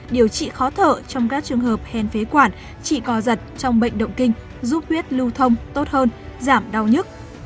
điều trị khó thở trong các trường hợp hèn phế quản trị co giật trong bệnh động kinh giúp huyết lưu thông tốt hơn giảm đau nhức